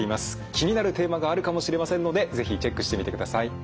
気になるテーマがあるかもしれませんので是非チェックしてみてください。